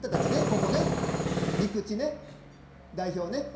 ここね陸地ね代表ね。